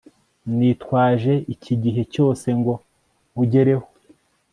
nitwaje iki gihe cyose ngo nkugereho